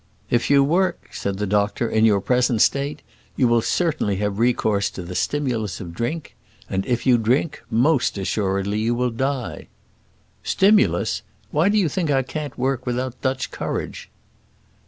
"If you work," said the doctor, "in your present state, you will certainly have recourse to the stimulus of drink; and if you drink, most assuredly you will die." "Stimulus! Why do you think I can't work without Dutch courage?"